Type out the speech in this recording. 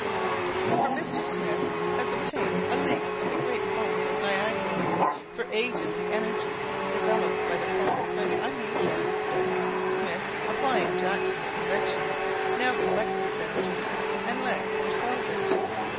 For Mr. Smith has obtained a lease of the great falls of Niagara. For ages the energy developed by the falls went unutilized. Smith, applying Jackson's invention, now collects this energy, and lets or sells it.